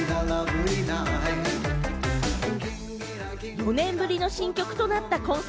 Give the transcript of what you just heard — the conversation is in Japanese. ４年ぶりの新曲となった今作。